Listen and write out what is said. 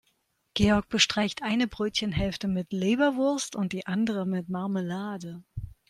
Georg bestreicht eine Brötchenhälfte mit Leberwurst und die andere mit Marmelade.